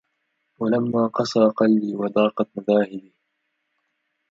ولما قسا قلبي وضاقت مذاهبي